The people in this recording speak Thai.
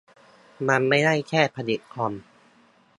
มันไม่ได้แค่ผลิตคอม